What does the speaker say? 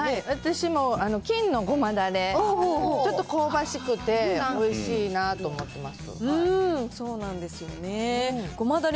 私も金のごまだれ、ちょっと香ばしくて、おいしいなと思って